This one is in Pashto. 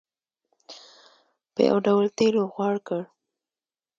په یو ډول تېلو غوړ کړ.